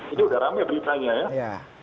itu sudah ramai beritanya ya